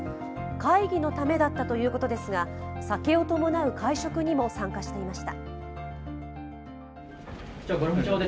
会議のためだったということですが酒を伴う会食にも参加していました。